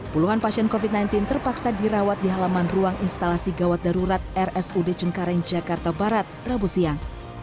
puluhan pasien covid sembilan belas terpaksa dirawat di halaman ruang instalasi gawat darurat rsud cengkareng jakarta barat rabu siang